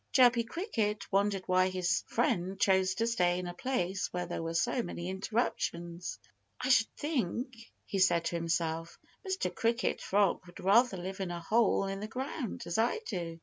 Chirpy Cricket wondered why his friend chose to stay in a place where there were so many interruptions. "I should think," he said to himself, "Mr. Cricket Frog would rather live in a hole in the ground, as I do....